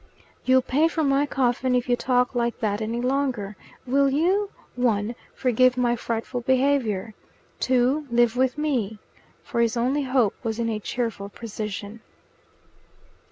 "You'll pay for my coffin if you talk like that any longer! Will you, one, forgive my frightful behaviour; two, live with me?" For his only hope was in a cheerful precision.